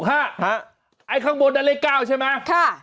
ไอ้ข้างบนได้เลข๙ใช่มั้ย